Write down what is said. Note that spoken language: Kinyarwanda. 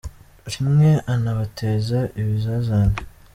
Rimwe anabateza ibizazane.